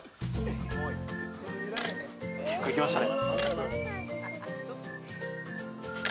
結構いきましたね。